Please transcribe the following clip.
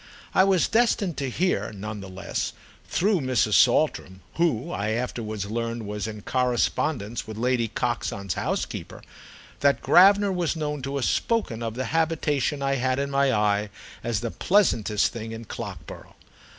I was destined to hear, none the less, through Mrs. Saltram—who, I afterwards learned, was in correspondence with Lady Coxon's housekeeper—that Gravener was known to have spoken of the habitation I had in my eye as the pleasantest thing at Clockborough.